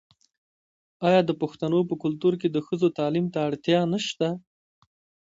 آیا د پښتنو په کلتور کې د ښځو تعلیم ته اړتیا نشته؟